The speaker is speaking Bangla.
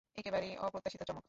একেবারেই অপ্রত্যাশিত চমক!